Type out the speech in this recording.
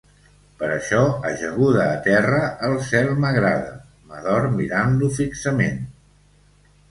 Per això, ajaguda a terra, el cel m’agrada, m’adorm mirant-lo fixament.